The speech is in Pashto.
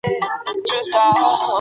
د موټرو غږونه له لرې څخه اورېدل کېدل.